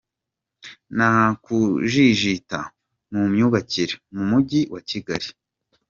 Nta kujijita mu myubakire mu Mujyi wa Kigali